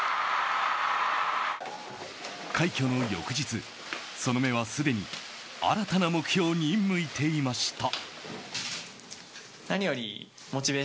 快挙の翌日、その目はすでに新たな目標に向いていました。